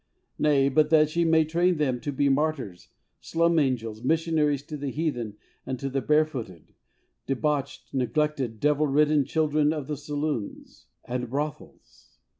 Nay, but that she may train them to be martyrs, slum angels, missionaries to the heathen and to the barefooted, de bauched, neglected, devil ridden children of the saloons and brothels.